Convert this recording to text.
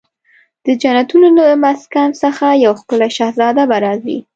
د جنتونو د مسکن څخه یو ښکلې شهزاده به راځي